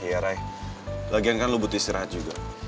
iya ray lagian kan lo butuh istirahat juga